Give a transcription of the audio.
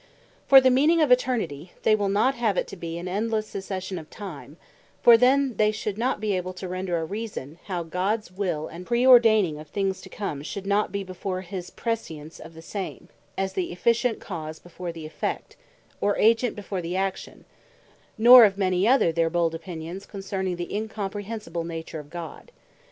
Nunc stans For the meaning of Eternity, they will not have it to be an Endlesse Succession of Time; for then they should not be able to render a reason how Gods Will, and Praeordaining of things to come, should not be before his Praescience of the same, as the Efficient Cause before the Effect, or Agent before the Action; nor of many other their bold opinions concerning the Incomprehensible Nature of God.